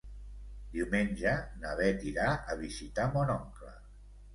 Diumenge na Bet irà a visitar mon oncle.